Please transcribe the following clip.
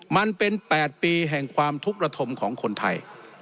มันเป็น๘ปีแห่งความทุกข์ระทมของคนไทย